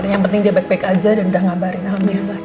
yang penting dia baik baik aja dan udah ngabarin alamnya